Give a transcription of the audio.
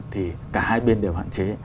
thì cả hai bên đều hạn chế